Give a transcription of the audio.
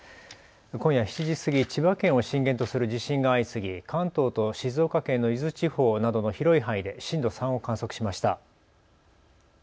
今夜７時過ぎ、千葉県を震源とする地震が相次ぎ関東と静岡県の伊豆地方などの広い範囲で震度３を観測しました。